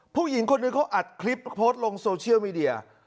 ผู้หญิงคนหนึ่งเขาอัดคลิปโพสต์ลงโซเชียลมีเดีย